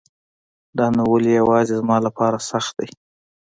دا نو ولی يواځي زما لپاره سخت دی